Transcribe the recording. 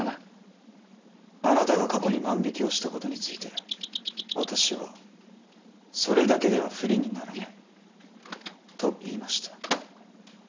あなたが過去に万引きをしたことについて私は「それだけでは不利にならない」と言いました。